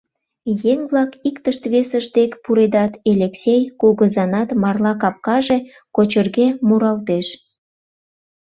Еҥ-влак иктышт-весышт дек пуредат, Элексей кугызанат марла капкаже кочырге муралтеш.